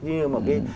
như mà cái